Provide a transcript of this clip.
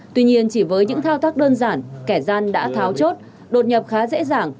tuy nhiên chỉ với những thao tác đơn giản kẻ gian đã tháo chốt đột nhập khá dễ dàng